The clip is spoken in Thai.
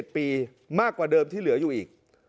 ปีมากกว่าเดิมที่เหลืออยู่อีก